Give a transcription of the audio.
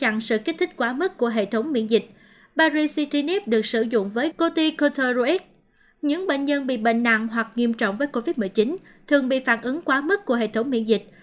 những bệnh nhân bị bệnh nặng hoặc nghiêm trọng với covid một mươi chín thường bị phản ứng quá mức của hệ thống miễn dịch